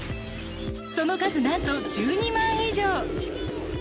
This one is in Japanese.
その数なんと１２万以上。